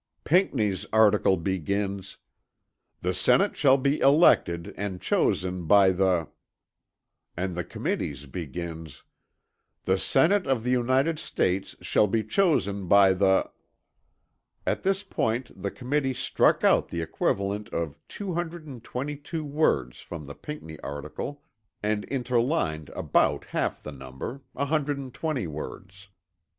Pinckney's article begins: "The senate shall be elected, and chosen by the;" and the Committee's begins: "The senate of the United States shall be chosen by the." At this point the Committee struck out the equivalent of 222 words from the Pinckney article and interlined about half the number, 120 words.